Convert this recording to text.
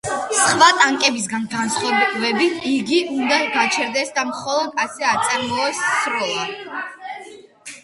სხვა ტანკებისგან განსხვავებით, იგი უნდა გაჩერდეს და მხოლოდ ასე აწარმოოს სროლა.